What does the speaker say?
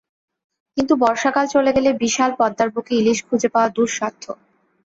কিন্তু বর্ষাকাল চলে গেলে বিশাল পদ্মার বুকে ইলিশ খুঁজে পাওয়া দুঃসাধ্য।